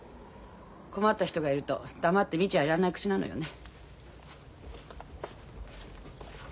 困った人がいると黙って見ちゃいられないクチなのよね。